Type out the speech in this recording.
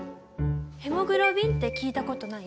ヘモグロビンって聞いたことない？